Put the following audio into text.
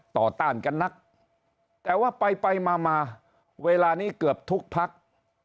ต้านกันนักแต่ว่าไปไปมามาเวลานี้เกือบทุกพัก